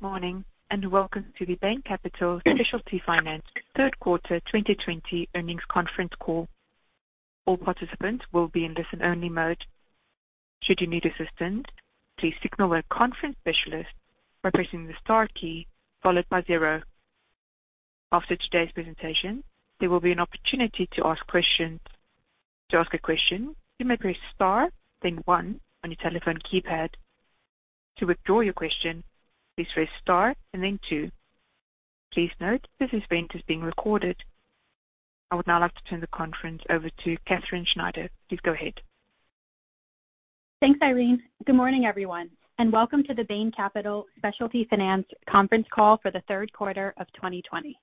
Good morning, welcome to the Bain Capital Specialty Finance third quarter 2020 earnings conference call. All participants will be in listen-only mode. Should you need assistance, please signal a conference specialist by pressing the star key followed by zero. After today's presentation, there will be an opportunity to ask questions. To ask a question, you may press star then one on your telephone keypad. To withdraw your question, please press star and then two. Please note this event is being recorded. I would now like to turn the conference over to Katherine Schneider. Please go ahead. Thanks, Irene. Good morning, everyone, and welcome to the Bain Capital Specialty Finance conference call for the third quarter of 2020.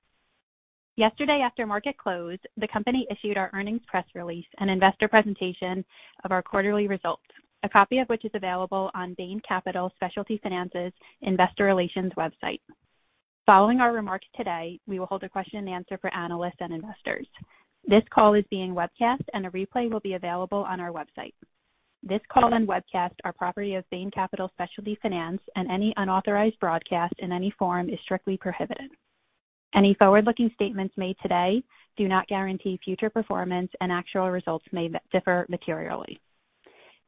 Yesterday, after market close, the company issued our earnings press release and investor presentation of our quarterly results, a copy of which is available on Bain Capital Specialty Finance's investor relations website. Following our remarks today, we will hold a question and answer for analysts and investors. This call is being webcast, and a replay will be available on our website. This call and webcast are property of Bain Capital Specialty Finance, and any unauthorized broadcast in any form is strictly prohibited. Any forward-looking statements made today do not guarantee future performance, and actual results may differ materially.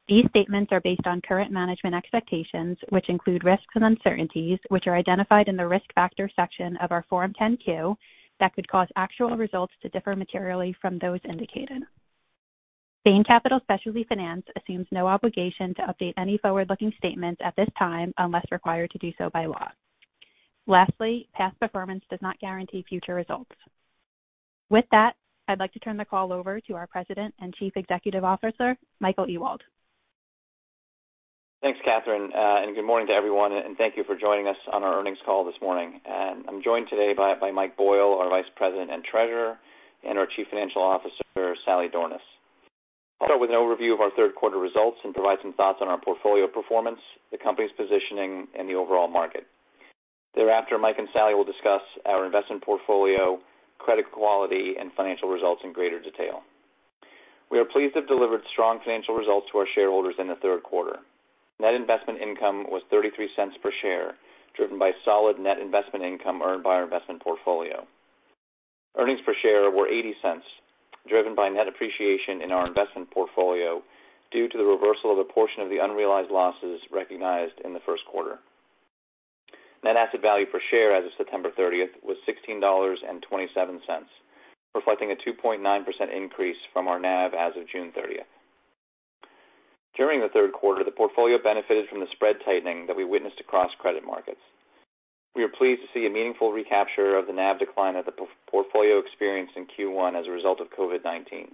These statements are based on current management expectations, which include risks and uncertainties, which are identified in the risk factors section of our Form 10-Q that could cause actual results to differ materially from those indicated. Bain Capital Specialty Finance assumes no obligation to update any forward-looking statements at this time unless required to do so by law. Lastly, past performance does not guarantee future results. With that, I'd like to turn the call over to our President and Chief Executive Officer, Michael Ewald. Thanks, Katherine, and good morning to everyone, and thank you for joining us on our earnings call this morning. I'm joined today by Michael Boyle, our Vice President and Treasurer, and our Chief Financial Officer, Sally Dworken. I'll start with an overview of our third quarter results and provide some thoughts on our portfolio performance, the company's positioning in the overall market. Thereafter, Mike and Sally will discuss our investment portfolio, credit quality, and financial results in greater detail. We are pleased to have delivered strong financial results to our shareholders in the third quarter. Net investment income was $0.33 per share, driven by solid net investment income earned by our investment portfolio. Earnings per share were $0.80, driven by net appreciation in our investment portfolio due to the reversal of a portion of the unrealized losses recognized in the first quarter. Net asset value per share as of September 30th was $16.27, reflecting a 2.9% increase from our NAV as of June 30th. During the third quarter, the portfolio benefited from the spread tightening that we witnessed across credit markets. We are pleased to see a meaningful recapture of the NAV decline that the portfolio experienced in Q1 as a result of COVID-19.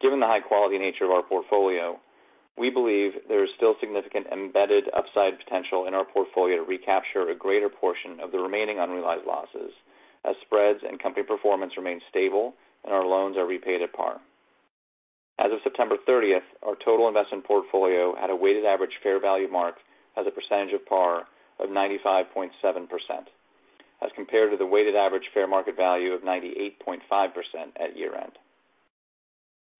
Given the high-quality nature of our portfolio, we believe there is still significant embedded upside potential in our portfolio to recapture a greater portion of the remaining unrealized losses as spreads and company performance remain stable and our loans are repaid at par. As of September 30th, our total investment portfolio had a weighted average fair value mark as a percentage of par of 95.7%, as compared to the weighted average fair market value of 98.5% at year-end.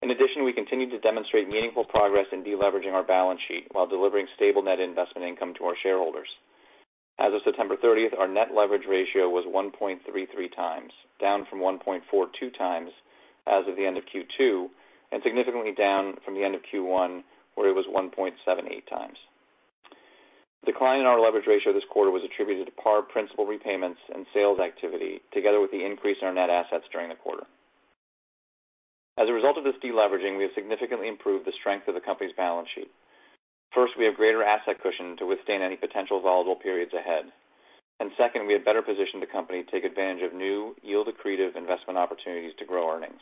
In addition, we continue to demonstrate meaningful progress in de-leveraging our balance sheet while delivering stable net investment income to our shareholders. As of September 30th, our net leverage ratio was 1.33 times, down from 1.42 times as of the end of Q2, and significantly down from the end of Q1, where it was 1.78 times. Decline in our leverage ratio this quarter was attributed to par principal repayments and sales activity together with the increase in our net assets during the quarter. As a result of this de-leveraging, we have significantly improved the strength of the company's balance sheet. First, we have greater asset cushion to withstand any potential volatile periods ahead. Second, we have better positioned the company to take advantage of new yield-accretive investment opportunities to grow earnings.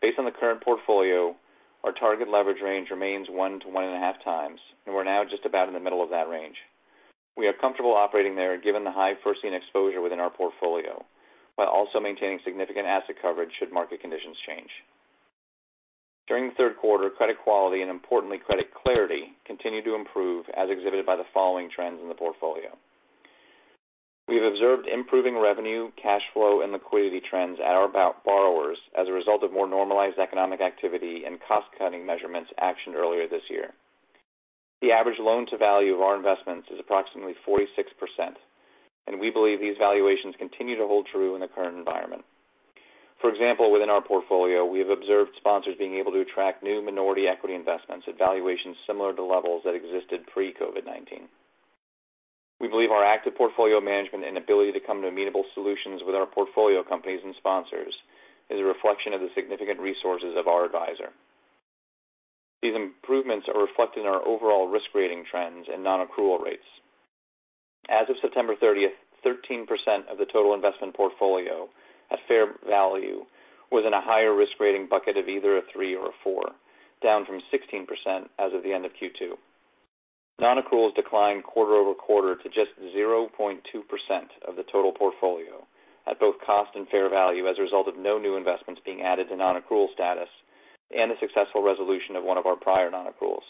Based on the current portfolio, our target leverage range remains one to one and a half times, and we're now just about in the middle of that range. We are comfortable operating there given the high first lien exposure within our portfolio, while also maintaining significant asset coverage should market conditions change. During the third quarter, credit quality and importantly, credit clarity continued to improve as exhibited by the following trends in the portfolio. We have observed improving revenue, cash flow, and liquidity trends at our borrowers as a result of more normalized economic activity and cost-cutting measurements actioned earlier this year. The average loan to value of our investments is approximately 46%, and we believe these valuations continue to hold true in the current environment. For example, within our portfolio, we have observed sponsors being able to attract new minority equity investments at valuations similar to levels that existed pre-COVID-19. We believe our active portfolio management and ability to come to amenable solutions with our portfolio companies and sponsors is a reflection of the significant resources of our advisor. These improvements are reflected in our overall risk rating trends and non-accrual rates. As of September 30th, 13% of the total investment portfolio at fair value was in a higher risk rating bucket of either a three or a four, down from 16% as of the end of Q2. Non-accruals declined quarter-over-quarter to just 0.2% of the total portfolio at both cost and fair value as a result of no new investments being added to non-accrual status and the successful resolution of one of our prior non-accruals.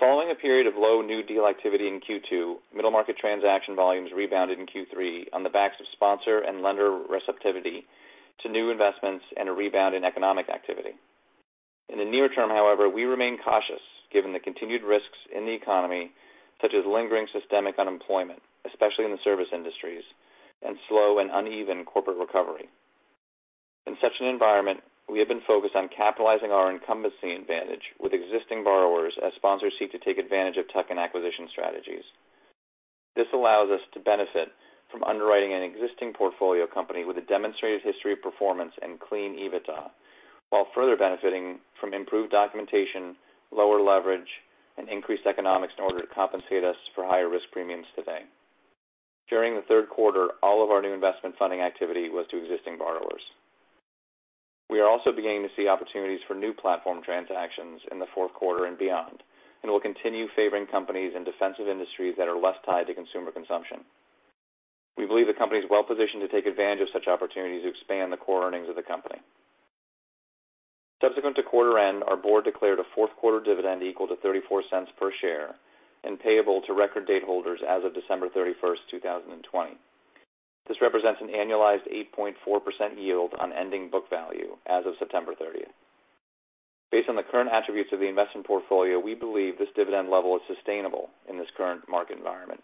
Following a period of low new deal activity in Q2, middle market transaction volumes rebounded in Q3 on the backs of sponsor and lender receptivity to new investments and a rebound in economic activity. In the near term, however, we remain cautious given the continued risks in the economy, such as lingering systemic unemployment, especially in the service industries, and slow and uneven corporate recovery. In such an environment, we have been focused on capitalizing our incumbency advantage with existing borrowers as sponsors seek to take advantage of tuck-in acquisition strategies. This allows us to benefit from underwriting an existing portfolio company with a demonstrated history of performance and clean EBITDA, while further benefiting from improved documentation, lower leverage, and increased economics in order to compensate us for higher risk premiums today. During the third quarter, all of our new investment funding activity was to existing borrowers. We are also beginning to see opportunities for new platform transactions in the fourth quarter and beyond, and we'll continue favoring companies in defensive industries that are less tied to consumer consumption. We believe the company is well-positioned to take advantage of such opportunities to expand the core earnings of the company. Subsequent to quarter end, our board declared a fourth quarter dividend equal to $0.34 per share and payable to record date holders as of December 31st, 2020. This represents an annualized 8.4% yield on ending book value as of September 30th. Based on the current attributes of the investment portfolio, we believe this dividend level is sustainable in this current market environment.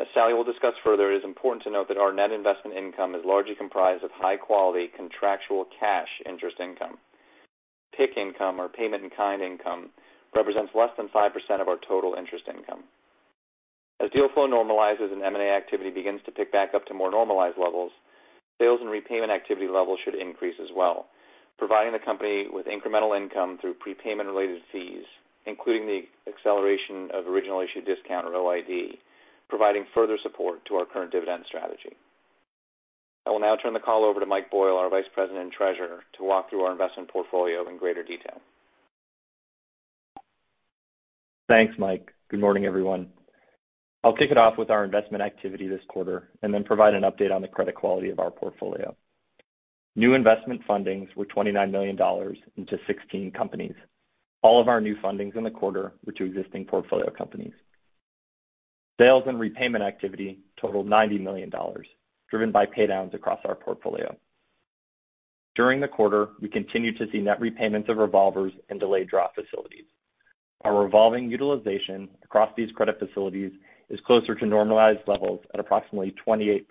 As Sally will discuss further, it is important to note that our net investment income is largely comprised of high-quality contractual cash interest income. PIK income, or payment in kind income, represents less than 5% of our total interest income. As deal flow normalizes and M&A activity begins to pick back up to more normalized levels, sales and repayment activity levels should increase as well, providing the company with incremental income through prepayment-related fees, including the acceleration of original issue discount, or OID, providing further support to our current dividend strategy. I will now turn the call over to Michael Boyle, our Vice President and Treasurer, to walk through our investment portfolio in greater detail. Thanks, Mike. Good morning, everyone. I'll kick it off with our investment activity this quarter and then provide an update on the credit quality of our portfolio. New investment fundings were $29 million into 16 companies. All of our new fundings in the quarter were to existing portfolio companies. Sales and repayment activity totaled $90 million, driven by paydowns across our portfolio. During the quarter, we continued to see net repayments of revolvers and delayed draw facilities. Our revolving utilization across these credit facilities is closer to normalized levels at approximately 28%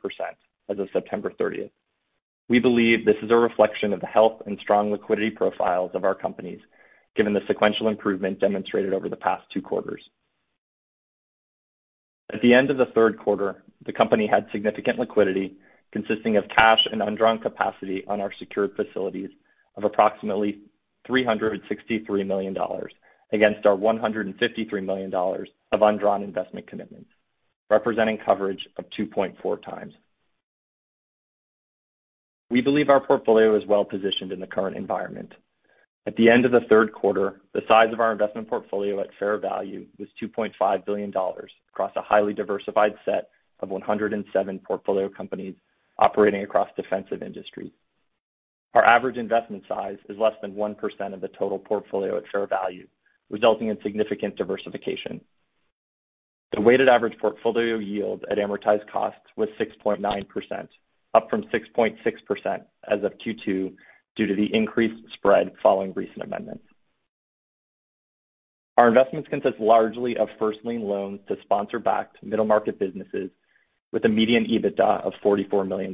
as of September 30th. We believe this is a reflection of the health and strong liquidity profiles of our companies, given the sequential improvement demonstrated over the past two quarters. At the end of the third quarter, the company had significant liquidity consisting of cash and undrawn capacity on our secured facilities of approximately $363 million against our $153 million of undrawn investment commitments, representing coverage of 2.4 times. We believe our portfolio is well-positioned in the current environment. At the end of the third quarter, the size of our investment portfolio at fair value was $2.5 billion across a highly diversified set of 107 portfolio companies operating across defensive industries. Our average investment size is less than 1% of the total portfolio at fair value, resulting in significant diversification. The weighted average portfolio yield at amortized costs was 6.9%, up from 6.6% as of Q2, due to the increased spread following recent amendments. Our investments consist largely of first-lien loans to sponsor backed middle market businesses with a median EBITDA of $44 million.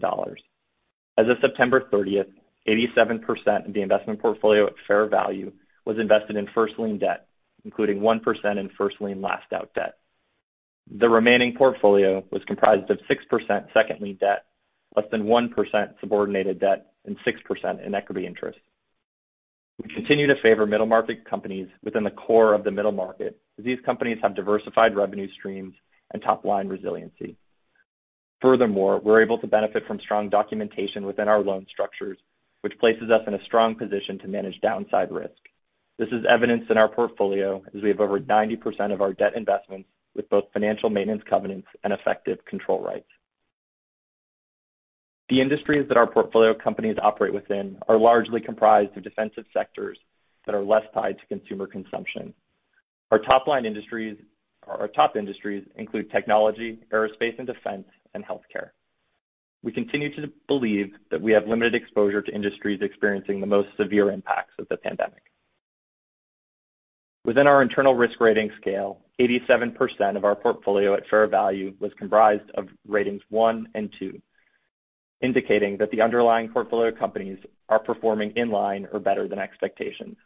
As of September 30th, 87% of the investment portfolio at fair value was invested in first-lien debt, including 1% in first lien last out debt. The remaining portfolio was comprised of 6% second lien debt, less than 1% subordinated debt, and 6% in equity interest. We continue to favor middle market companies within the core of the middle market, as these companies have diversified revenue streams and top-line resiliency. Furthermore, we're able to benefit from strong documentation within our loan structures, which places us in a strong position to manage downside risk. This is evidenced in our portfolio as we have over 90% of our debt investments with both financial maintenance covenants and effective control rights. The industries that our portfolio companies operate within are largely comprised of defensive sectors that are less tied to consumer consumption. Our top industries include technology, aerospace and defense, and healthcare. We continue to believe that we have limited exposure to industries experiencing the most severe impacts of the pandemic. Within our internal risk rating scale, 87% of our portfolio at fair value was comprised of ratings one and two, indicating that the underlying portfolio companies are performing in line or better than expectations.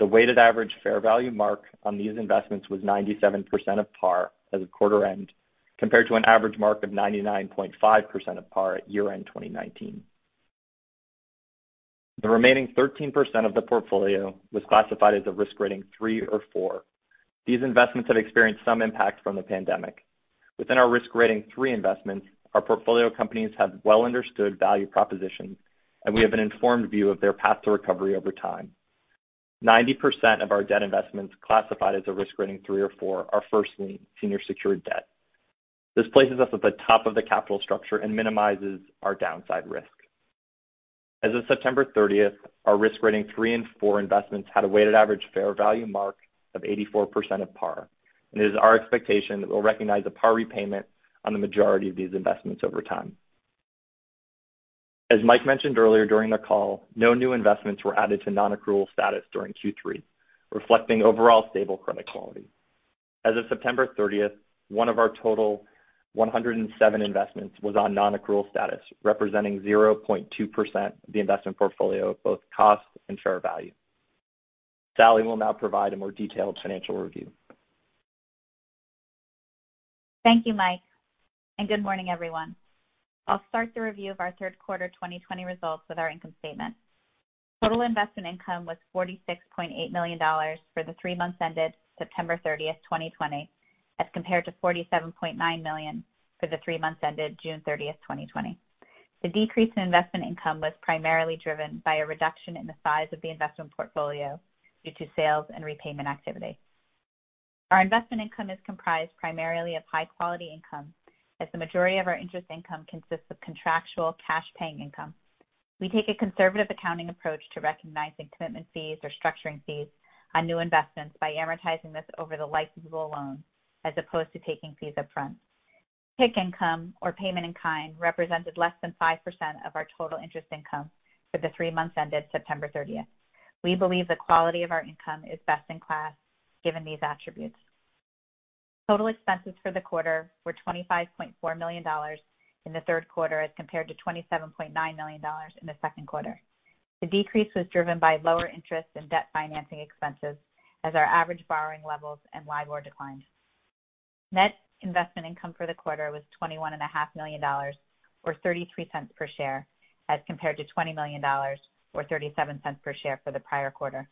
The weighted average fair value mark on these investments was 97% of par as of quarter end, compared to an average mark of 99.5% of par at year-end 2019. The remaining 13% of the portfolio was classified as a risk rating three or four. These investments have experienced some impact from the pandemic. Within our risk rating three investments, our portfolio companies have well understood value propositions, and we have an informed view of their path to recovery over time. 90% of our debt investments classified as a risk rating three or four are first lien senior secured debt. This places us at the top of the capital structure and minimizes our downside risk. As of September 30th, our risk rating three and four investments had a weighted average fair value mark of 84% of par, and it is our expectation that we'll recognize a par repayment on the majority of these investments over time. As Mike mentioned earlier during the call, no new investments were added to non-accrual status during Q3, reflecting overall stable credit quality. As of September 30th, one of our total 107 investments was on non-accrual status, representing 0.2% of the investment portfolio of both cost and fair value. Sally will now provide a more detailed financial review. Thank you, Mike, and good morning, everyone. I'll start the review of our third quarter 2020 results with our income statement. Total investment income was $46.8 million for the three months ended September 30th, 2020, as compared to $47.9 million for the three months ended June 30th, 2020. The decrease in investment income was primarily driven by a reduction in the size of the investment portfolio due to sales and repayment activity. Our investment income is comprised primarily of high-quality income, as the majority of our interest income consists of contractual cash paying income. We take a conservative accounting approach to recognizing commitment fees or structuring fees on new investments by amortizing this over the life of the loan, as opposed to taking fees up front. PIK income, or payment in kind, represented less than 5% of our total interest income for the three months ended September 30th. We believe the quality of our income is best in class, given these attributes. Total expenses for the quarter were $25.4 million in the third quarter as compared to $27.9 million in the second quarter. The decrease was driven by lower interest and debt financing expenses as our average borrowing levels and LIBOR declined. Net investment income for the quarter was $21.5 million, or $0.33 per share, as compared to $20 million, or $0.37 per share, for the prior quarter.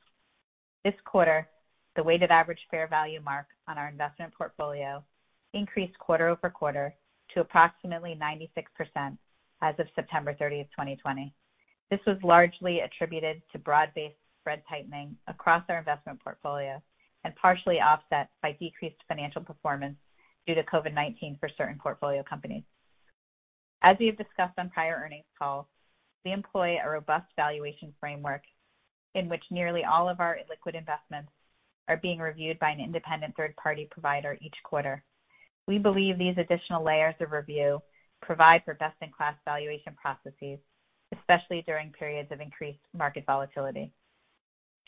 This quarter, the weighted average fair value mark on our investment portfolio increased quarter-over-quarter to approximately 96% as of September 30th, 2020. This was largely attributed to broad-based spread tightening across our investment portfolio and partially offset by decreased financial performance due to COVID-19 for certain portfolio companies. As we have discussed on prior earnings calls, we employ a robust valuation framework in which nearly all of our illiquid investments are being reviewed by an independent third-party provider each quarter. We believe these additional layers of review provide for best-in-class valuation processes, especially during periods of increased market volatility.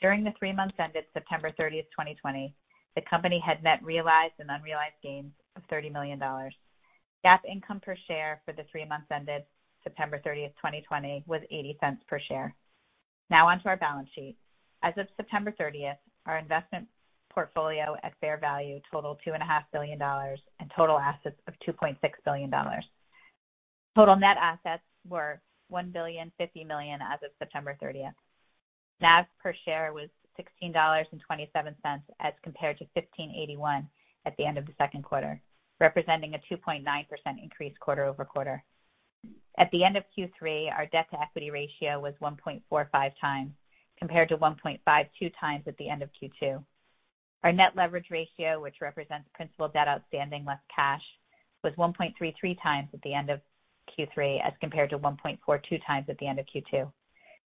During the three months ended September 30th, 2020, the company had net realized and unrealized gains of $30 million. GAAP income per share for the three months ended September 30th, 2020, was $0.80 per share. Now on to our balance sheet. As of September 30th, our investment portfolio at fair value totaled $2.5 billion and total assets of $2.6 billion. Total net assets were $1.05 billion as of September 30th. NAV per share was $16.27 as compared to $15.81 at the end of the second quarter, representing a 2.9% increase quarter-over-quarter. At the end of Q3, our debt-to-equity ratio was 1.45 times, compared to 1.52 times at the end of Q2. Our net leverage ratio, which represents principal debt outstanding less cash, was 1.33 times at the end of Q3 as compared to 1.42 times at the end of Q2.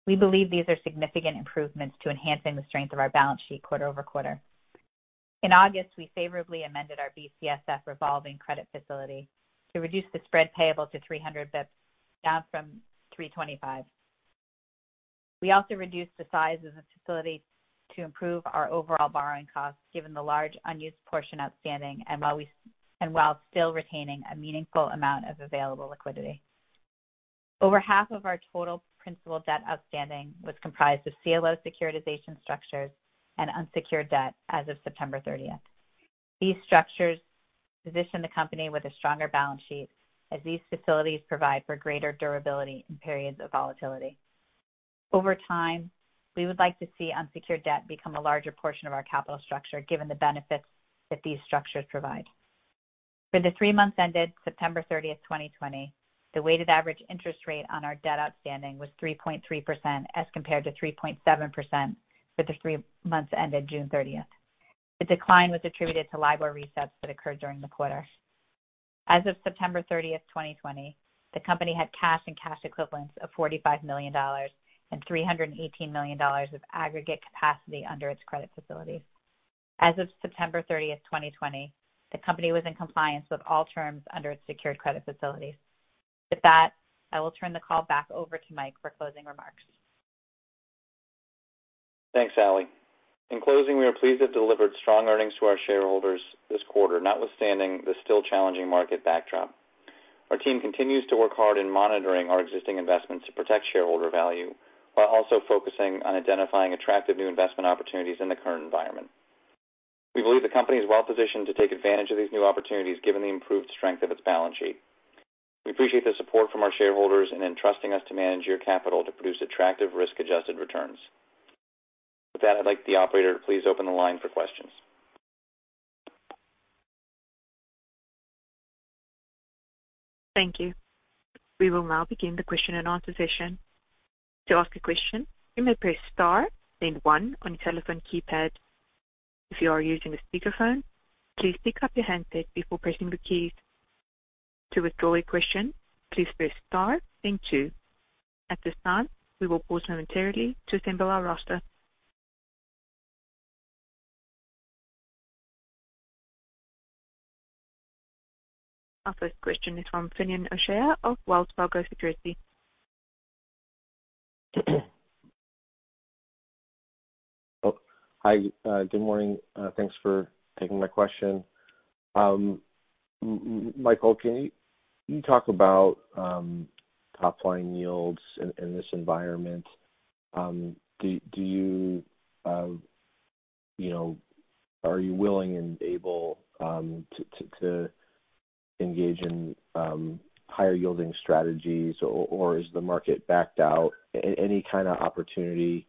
We believe these are significant improvements to enhancing the strength of our balance sheet quarter-over-quarter. In August, we favorably amended our BCSF revolving credit facility to reduce the spread payable to 300 bip, down from 325. We also reduced the size of the facility to improve our overall borrowing costs, given the large unused portion outstanding and while still retaining a meaningful amount of available liquidity. Over half of our total principal debt outstanding was comprised of CLO securitization structures and unsecured debt as of September 30th. These structures position the company with a stronger balance sheet as these facilities provide for greater durability in periods of volatility. Over time, we would like to see unsecured debt become a larger portion of our capital structure, given the benefits that these structures provide. For the three months ended September 30th, 2020, the weighted average interest rate on our debt outstanding was 3.3%, as compared to 3.7% for the three months ended June 30th. The decline was attributed to LIBOR resets that occurred during the quarter. As of September 30th, 2020, the company had cash-and-cash equivalents of $45 million and $318 million of aggregate capacity under its credit facilities. As of September 30th, 2020, the company was in compliance with all terms under its secured credit facilities. With that, I will turn the call back over to Mike for closing remarks. Thanks, Sally. In closing, we are pleased to have delivered strong earnings to our shareholders this quarter, notwithstanding the still challenging market backdrop. Our team continues to work hard in monitoring our existing investments to protect shareholder value while also focusing on identifying attractive new investment opportunities in the current environment. We believe the company is well positioned to take advantage of these new opportunities given the improved strength of its balance sheet. We appreciate the support from our shareholders in entrusting us to manage your capital to produce attractive risk-adjusted returns. With that, I'd like the operator to please open the line for questions. Thank you. We will now begin the question and answer session. To ask a question, you may press star then one on your telephone keypad. If you are using a speakerphone, please pick up your handset before pressing the keys. To withdraw a question, please press star then two. At this time, we will pause momentarily to assemble our roster. Our first question is from Finian O'Shea of Wells Fargo Securities. Hi, good morning. Thanks for taking my question. Michael, can you talk about top-line yields in this environment? Are you willing and able to engage in higher yielding strategies or is the market backed out? Any kind of opportunity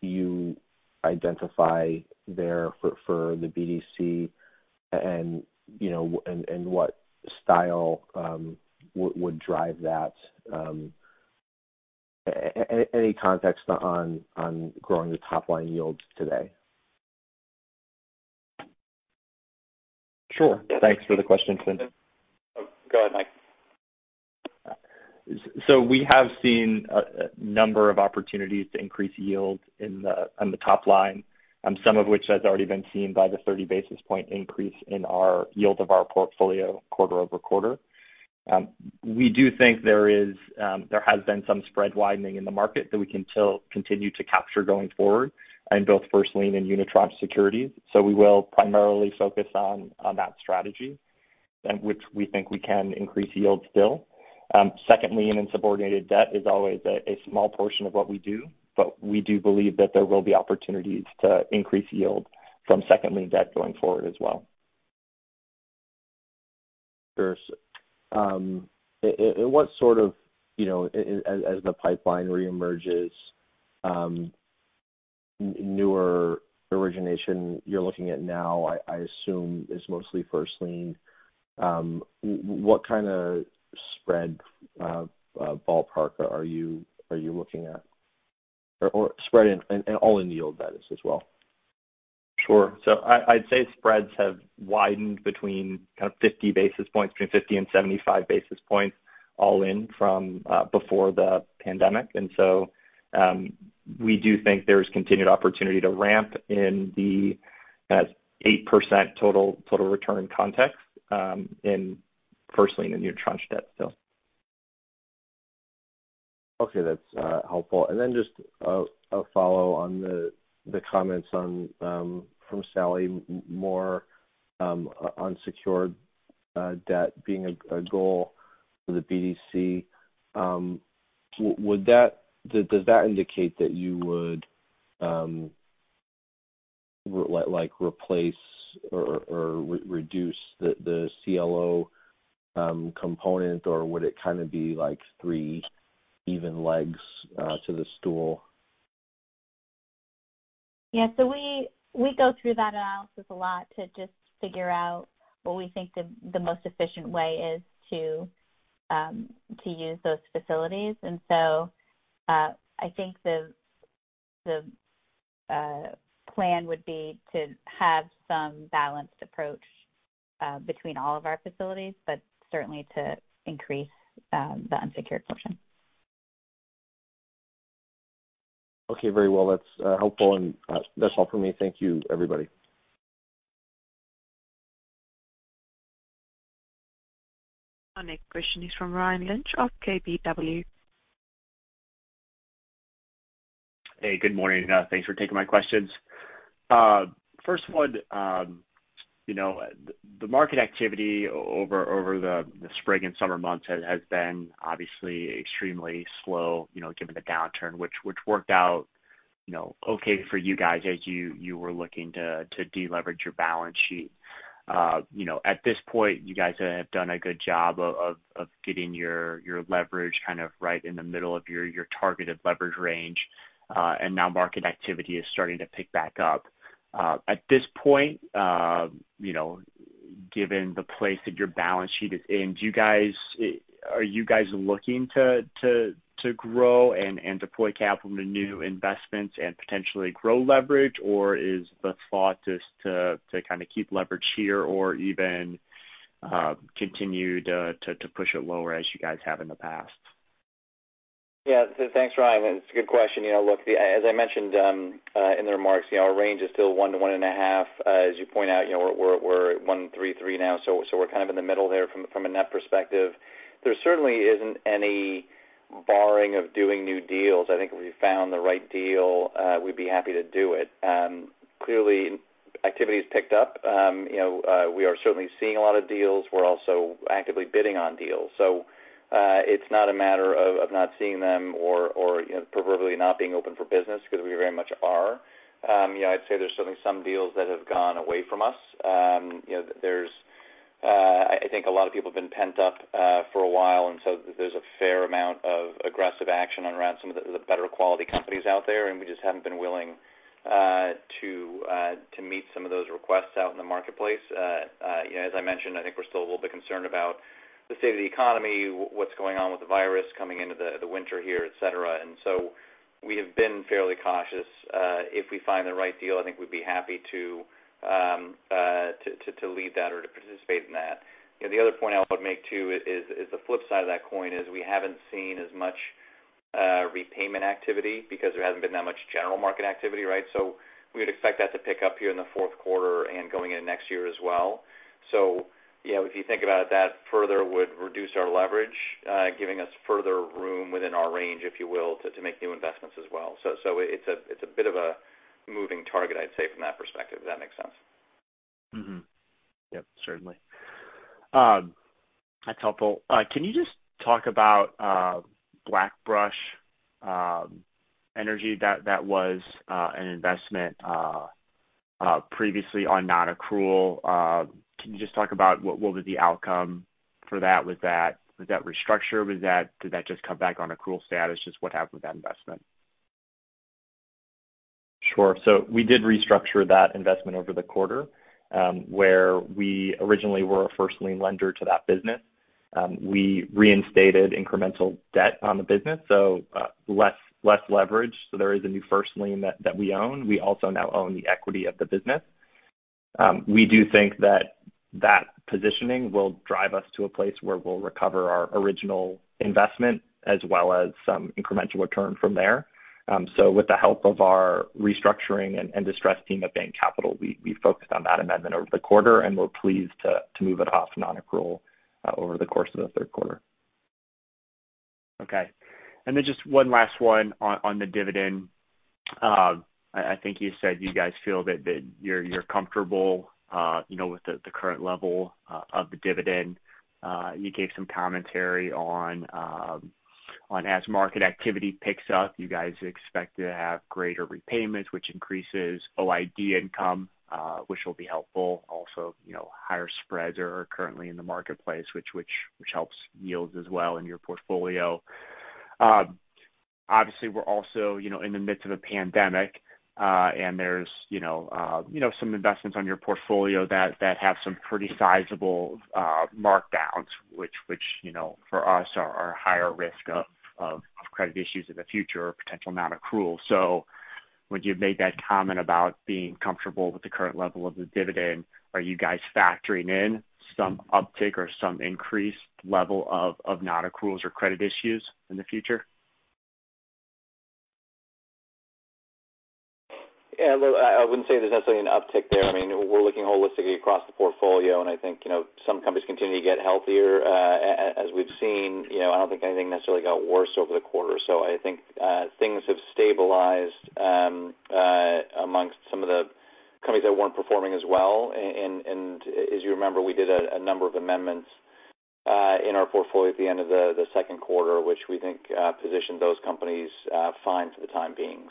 you identify there for the BDC and what style would drive that? Any context on growing the top-line yields today? Sure. Thanks for the question, Finian. Go ahead, Mike. We have seen a number of opportunities to increase yields on the top line, some of which has already been seen by the 30 basis point increase in our yield of our portfolio quarter-over-quarter. We do think there has been some spread widening in the market that we can continue to capture going forward in both first lien and unitranche securities. We will primarily focus on that strategy, and which we think we can increase yields still. Second lien and subordinated debt is always a small portion of what we do, but we do believe that there will be opportunities to increase yield from second lien debt going forward as well. Sure. As the pipeline reemerges, newer origination you're looking at now, I assume is mostly first lien. What kind of spread ballpark are you looking at? Spread and all-in yield that is as well. Sure. I'd say spreads have widened between kind of 50 basis points, between 50 and 75 basis points all in from before the pandemic. We do think there's continued opportunity to ramp in the 8% total return context, and first lien and unitranche debt still. Okay. That's helpful. Just a follow on the comments from Sally, more unsecured debt being a goal for the BDC. Does that indicate that you would replace or reduce the CLO component or would it be like three even legs to the stool? Yeah. We go through that analysis a lot to just figure out what we think the most efficient way is to use those facilities. I think the plan would be to have some balanced approach between all of our facilities, but certainly to increase the unsecured portion. Okay. Very well. That's helpful and that's all for me. Thank you, everybody. Our next question is from Ryan Lynch of KBW. Hey, good morning. Thanks for taking my questions. First one, the market activity over the spring and summer months has been obviously extremely slow given the downturn, which worked out okay for you guys as you were looking to de-leverage your balance sheet. At this point, you guys have done a good job of getting your leverage kind of right in the middle of your targeted leverage range. Now market activity is starting to pick back up. At this point, given the place that your balance sheet is in, are you guys looking to grow and deploy capital into new investments and potentially grow leverage? Is the thought just to kind of keep leverage here or even continue to push it lower as you guys have in the past? Thanks, Ryan. It's a good question. As I mentioned in the remarks, our range is still one to one and a half. As you point out, we're at 133 now, we're kind of in the middle there from a net perspective. There certainly isn't any barring of doing new deals. I think if we found the right deal, we'd be happy to do it. Clearly, activity's picked up. We are certainly seeing a lot of deals. We're also actively bidding on deals. It's not a matter of not seeing them or proverbially not being open for business because we very much are. I'd say there's certainly some deals that have gone away from us. I think a lot of people have been pent up for a while. There's a fair amount of aggressive action around some of the better quality companies out there, and we just haven't been willing to meet some of those requests out in the marketplace. As I mentioned, I think we're still a little bit concerned about the state of the economy, what's going on with the virus coming into the winter here, et cetera. We have been fairly cautious. If we find the right deal, I think we'd be happy to lead that or to participate in that. The other point I would make too is the flip side of that coin is we haven't seen as much repayment activity because there hasn't been that much general market activity. We would expect that to pick up here in the fourth quarter and going into next year as well. If you think about it, that further would reduce our leverage, giving us further room within our range, if you will, to make new investments as well. It's a bit of a moving target, I'd say, from that perspective, if that makes sense. Mm-hmm. Yep, certainly. That's helpful. Can you just talk about BlackBrush Energy? That was an investment previously on non-accrual. Can you just talk about what was the outcome for that? Was that restructured? Did that just come back on accrual status? Just what happened with that investment? Sure. We did restructure that investment over the quarter, where we originally were a first lien lender to that business. We reinstated incremental debt on the business, so less leverage. There is a new first lien that we own. We also now own the equity of the business. We do think that positioning will drive us to a place where we'll recover our original investment as well as some incremental return from there. With the help of our restructuring and distress team at Bain Capital, we focused on that amendment over the quarter, and we're pleased to move it off non-accrual over the course of the third quarter. Just one last one on the dividend. I think you said you guys feel that you're comfortable with the current level of the dividend. You gave some commentary on as market activity picks up, you guys expect to have greater repayments, which increases OID income which will be helpful. Higher spreads are currently in the marketplace, which helps yields as well in your portfolio. We're also in the midst of a pandemic, and there's some investments on your portfolio that have some pretty sizable markdowns, which, for us, are higher risk of credit issues in the future or potential non-accrual. When you made that comment about being comfortable with the current level of the dividend, are you guys factoring in some uptick or some increased level of non-accruals or credit issues in the future? Yeah, look, I wouldn't say there's necessarily an uptick there. We're looking holistically across the portfolio, and I think some companies continue to get healthier as we've seen. I don't think anything necessarily got worse over the quarter. I think things have stabilized amongst some of the companies that weren't performing as well. As you remember, we did a number of amendments in our portfolio at the end of the second quarter, which we think positioned those companies fine for the time being.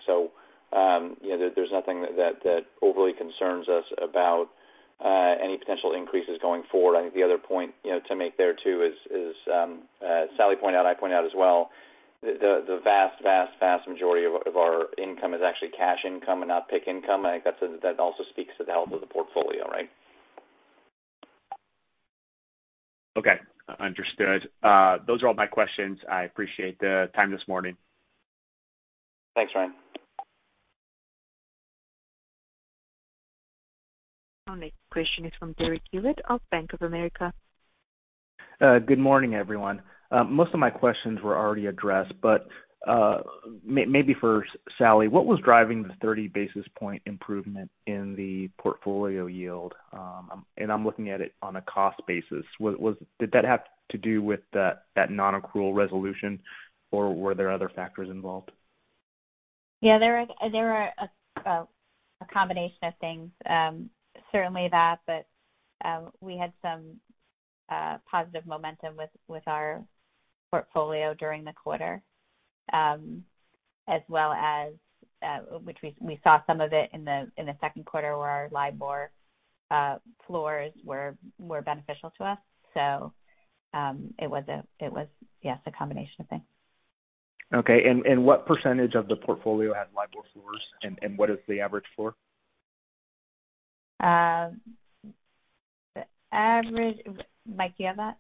There's nothing that overly concerns us about any potential increases going forward. I think the other point to make there too is, as Sally Dworken pointed out and I pointed out as well, the vast, vast majority of our income is actually cash income and not PIK income. I think that also speaks to the health of the portfolio, right? Okay, understood. Those are all my questions. I appreciate the time this morning. Thanks, Ryan. Our next question is from Derek Hewett of Bank of America. Good morning, everyone. Most of my questions were already addressed, but maybe for Sally, what was driving the 30 basis point improvement in the portfolio yield? I'm looking at it on a cost basis. Did that have to do with that non-accrual resolution or were there other factors involved? There were a combination of things. Certainly that, but we had some positive momentum with our portfolio during the quarter, as well as, which we saw some of it in the second quarter where our LIBOR floors were beneficial to us. It was, yes, a combination of things. Okay. What percentage of the portfolio had LIBOR floors and what is the average floor? Mike, do you have that?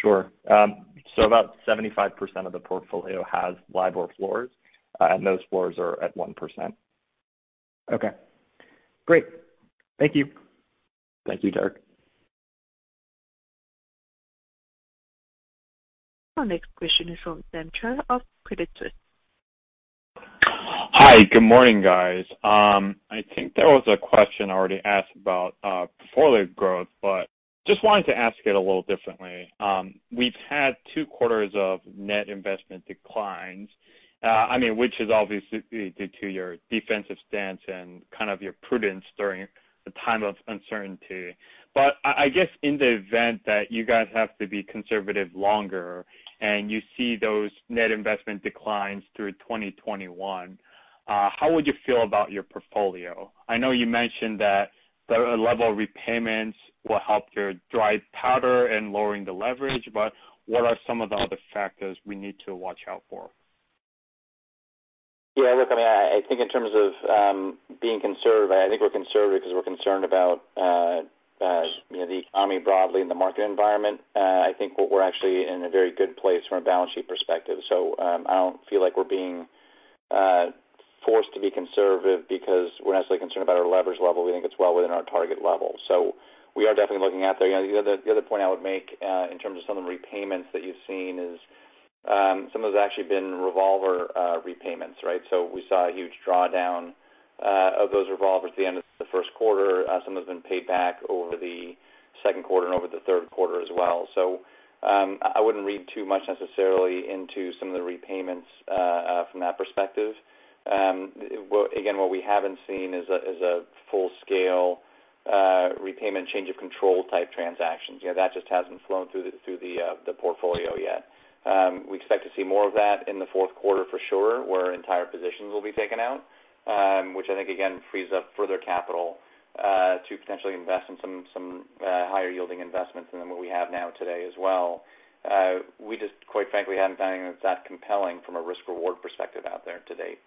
Sure. About 75% of the portfolio has LIBOR floors, and those floors are at 1%. Okay, great. Thank you. Thank you, Derek. Our next question is from Sam Cho of Credit Suisse. Hi, good morning, guys. I think there was a question already asked about portfolio growth, but just wanted to ask it a little differently. I guess in the event that you guys have to be conservative longer and you see those net investment declines through 2021, how would you feel about your portfolio? I know you mentioned that the level of repayments will help your dry powder in lowering the leverage, but what are some of the other factors we need to watch out for? Yeah, look, I think in terms of being conservative, I think we're conservative because we're concerned about the economy broadly and the market environment. I think we're actually in a very good place from a balance sheet perspective. I don't feel like we're being forced to be conservative because we're necessarily concerned about our leverage level. We think it's well within our target level. We are definitely looking out there. The other point I would make in terms of some of the repayments that you've seen is some of it has actually been revolver repayments, right? We saw a huge drawdown of those revolvers at the end of the first quarter. Some of it has been paid back over the second quarter and over the third quarter as well. I wouldn't read too much necessarily into some of the repayments from that perspective. Again, what we haven't seen is a full-scale repayment change of control type transactions. That just hasn't flown through the portfolio yet. We expect to see more of that in the fourth quarter for sure, where entire positions will be taken out, which I think, again, frees up further capital to potentially invest in some higher yielding investments than what we have now today as well. We just, quite frankly, haven't found anything that's that compelling from a risk-reward perspective out there to date.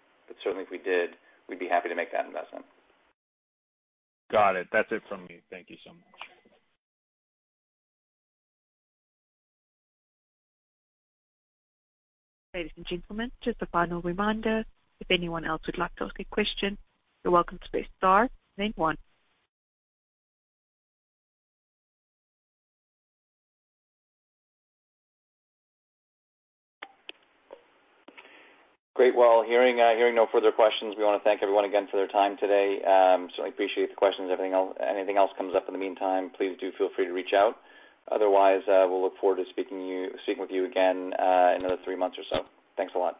Certainly, if we did, we'd be happy to make that investment. Got it. That's it from me. Thank you so much. Ladies and gentlemen, just a final reminder, if anyone else would like to ask a question, you're welcome to press star, then one. Great. Well, hearing no further questions, we want to thank everyone again for their time today. Certainly appreciate the questions. If anything else comes up in the meantime, please do feel free to reach out. Otherwise, we'll look forward to speaking with you again in another three months or so. Thanks a lot.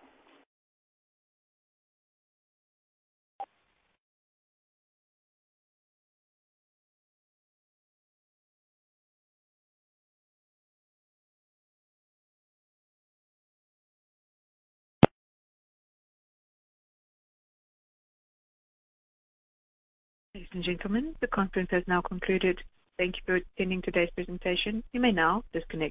Ladies and gentlemen, the conference has now concluded. Thank you for attending today's presentation. You may now disconnect.